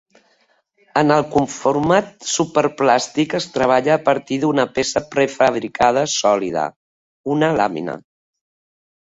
En el conformat superplàstic es treballa a partir d'una peça prefabricada sòlida: una làmina.